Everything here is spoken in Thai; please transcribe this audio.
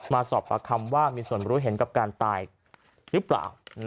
มาสอบปากคำว่ามีส่วนรู้เห็นกับการตายหรือเปล่า